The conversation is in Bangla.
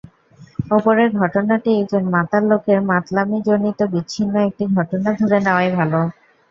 ওপরের ঘটনাটি একজন মাতাল লোকের মাতলামিজনিত বিচ্ছিন্ন একটি ঘটনা ধরে নেওয়াই ভালো।